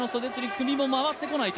首も回ってこないと。